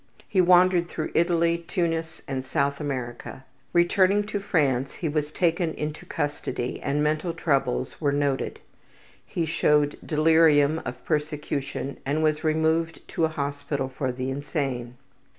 He wandered through Italy, Tunis, and South America. Returning to France he was taken into custody and mental troubles were noted. He showed delirium of persecution and was removed to a hospital for the insane.